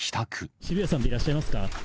渋谷さんでいらっしゃいますか？